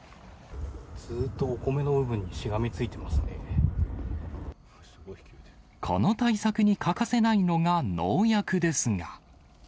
ずっとお米の部分にしがみつこの対策に欠かせないのが農薬ですが。